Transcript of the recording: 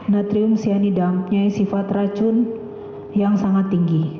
natrium cyanida punya sifat racun yang sangat tinggi